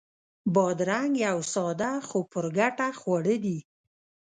بادرنګ یو ساده خو پُرګټه خواړه دي.